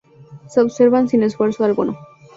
Se observan sin esfuerzo alguno.